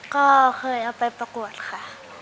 ก็เคยเอาไปประกวดค่ะ